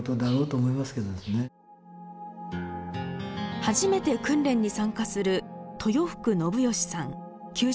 初めて訓練に参加する豊福信吉さん９０歳です。